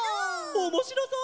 おもしろそう！